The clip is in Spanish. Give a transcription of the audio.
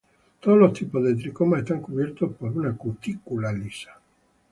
Todos los tipos de tricomas están cubiertos por una cutícula lisa.